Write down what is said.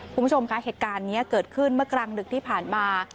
คุณผู้ชมคะเหตุการณ์นี้เกิดขึ้นเมื่อกลางดึกที่ผ่านมา